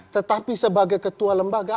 tetapi sebagai ketua lembaga